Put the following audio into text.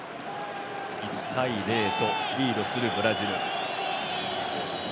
１対０とリードするブラジル。